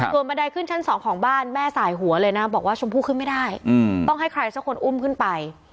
ส่วนบันไดขึ้นชั้นสองของบ้านแม่สายหัวเลยนะบอกว่าชมพู่ขึ้นไม่ได้ต้องให้ใครสักคนอุ้มขึ้นไป